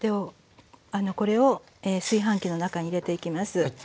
これを炊飯器の中に入れていきます。